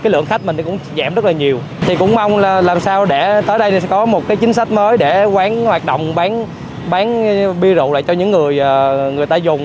làm sao để tới đây có một chính sách mới để quán hoạt động bán bia rượu lại cho những người người ta dùng